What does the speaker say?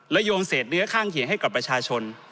โยงเศษเนื้อข้างเคียงให้กับประชาชน